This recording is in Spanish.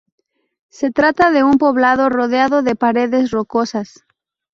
Se trata de un poblado rodeado de paredes rocosas.